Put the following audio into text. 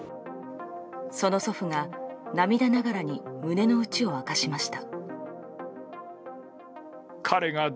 その祖父が涙ながらに胸の内を明かしました。